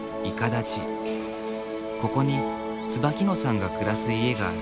ここに椿野さんが暮らす家がある。